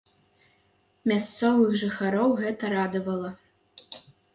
Мясцовых жыхароў гэта радавала.